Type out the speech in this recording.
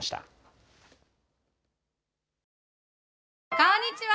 こんにちは！